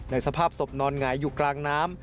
สภาพศพนอนหงายอยู่กลางน้ำ